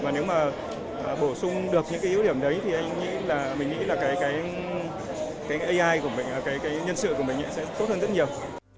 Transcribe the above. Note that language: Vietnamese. nếu mà bổ sung được những yếu điểm đấy thì mình nghĩ là cái ai của mình cái nhân sự của mình sẽ tốt hơn rất nhiều